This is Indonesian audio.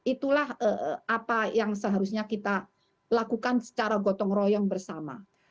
itulah apa yang seharusnya kita lakukan secara gotong royong bersama